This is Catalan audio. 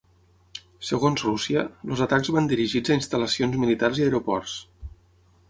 Segons Rússia, els atacs van dirigits a instal·lacions militars i aeroports.